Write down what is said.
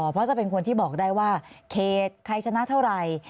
เพราะจะเป็นคนที่บอกได้ว่าเขตใครชนะเท่าไหร่